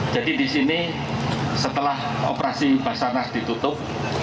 jadi di sini setelah operasi basarnas ditutup